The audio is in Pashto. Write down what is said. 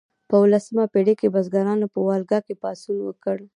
په اوولسمه پیړۍ کې بزګرانو په والګا کې پاڅون وکړ.